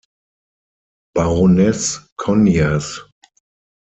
Baroness Conyers.